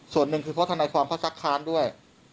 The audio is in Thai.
ส่วนหนึ่งคือเพราะทนายความเขาซักค้านด้วย